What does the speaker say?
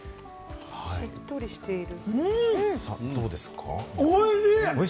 しっとりしている。